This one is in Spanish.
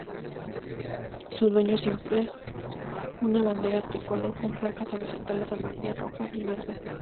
Su diseño es simple, una bandera tricolor con franjas horizontales amarilla, roja y verde.